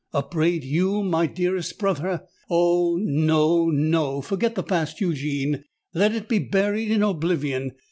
"Upbraid you, my dearest brother! Oh! no—no! Forget the past, Eugene—let it be buried in oblivion.